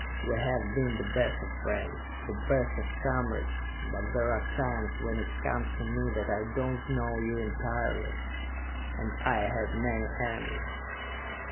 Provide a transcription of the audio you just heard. "We have been the best of friends, the best of comrades; but there are times when it comes to me that I do not know you entirely! And I have many enemies!"